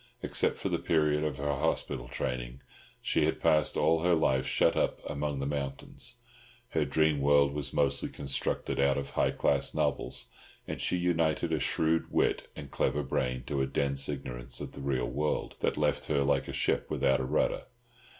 Except for the period of her hospital training, she had passed all her life shut up among the mountains. Her dream world was mostly constructed out of high class novels, and she united a shrewd wit and a clever brain to a dense ignorance of the real world, that left her like a ship without a rudder.